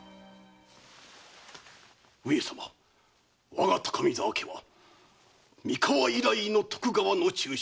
我が高見沢家は三河以来の徳川の忠臣。